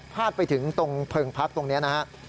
ไปถึงตรงเพลิงพักตรงนี้นะครับ